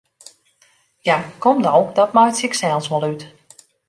Ja, kom no, dat meitsje ik sels wol út!